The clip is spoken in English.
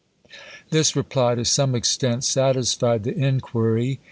This reply to some extent satisfied the inquiry.